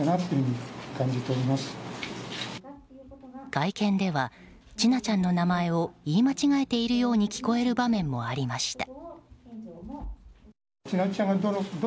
会見では千奈ちゃんの名前を言い間違えているように聞こえる場面もありました。